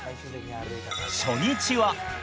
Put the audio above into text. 初日は。